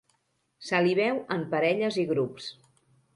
Se li veu en parelles i grups.